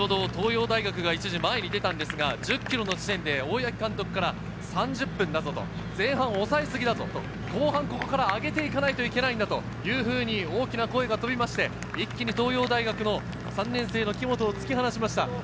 先ほど東洋大学がいっとき前に出たんですが、１０ｋｍの地点で大八木監督から３０分だぞ、前半抑えすぎ、後半ここから上げていかないといけないと大きな声が飛んで一気に東洋大学の３年生・木本を突き放しました。